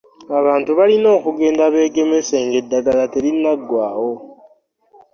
Abantu balina okugenda begemese nga eddagala terinnagwawo.